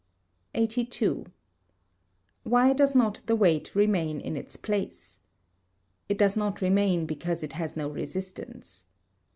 82. Why does not the weight remain in its place? It does not remain because it has no resistance.